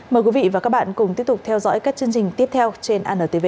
mời quý vị và các bạn cùng tiếp tục theo dõi các chương trình tiếp theo trên antv